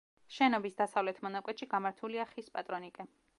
შენობის დასავლეთ მონაკვეთში გამართულია ხის პატრონიკე.